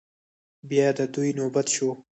بيا د دوی نوبت شو.